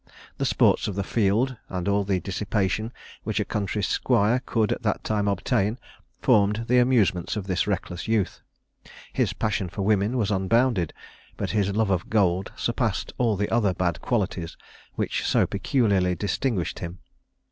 The sports of the field, and all the dissipation which a country squire could at that time obtain, formed the amusements of this reckless youth. His passion for women was unbounded; but his love of gold surpassed all the other bad qualities which so peculiarly distinguished him.